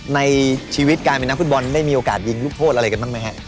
ในชีวิตการเป็นนักฟุตบอลได้มีโอกาสยิงลูกโทษอะไรกันบ้างไหมฮะ